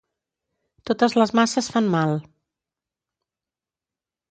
Totes les masses fan mal.